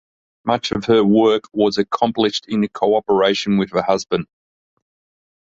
Much of her work was accomplished in cooperation with her husband.